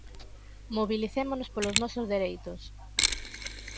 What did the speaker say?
Mobilicémonos polos nosos dereitos!